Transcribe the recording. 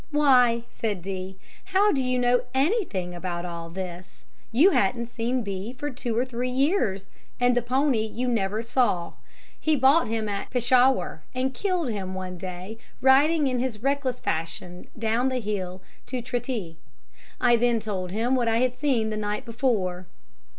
'Why,' said D., 'how do you know anything about all this? You hadn't seen B. for two or three years, and the pony you never saw. He bought him at Peshawur, and killed him one day riding in his reckless fashion down the hill to Trete.' I then told him what I had seen the night before.